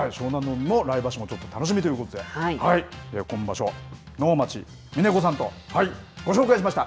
海も、来場所もちょっと楽しみということで、今場所、能町みね子さんとご紹介しました。